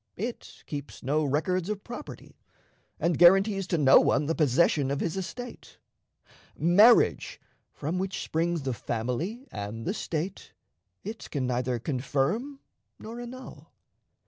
It keeps no records of property, and guarantees to no one the possession of his estate. Marriage, from which springs the family and the State, it can neither confirm nor annul.